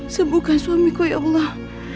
sebukan suamiku ya allah